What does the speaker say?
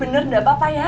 enggak enggak papa ya